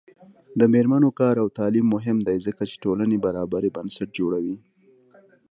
د میرمنو کار او تعلیم مهم دی ځکه چې ټولنې برابرۍ بنسټ جوړوي.